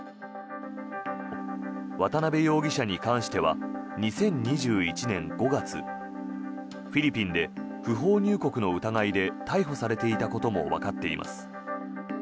渡邉容疑者に関しては２０２１年５月フィリピンで不法入国の疑いで逮捕されていたこともわかっています。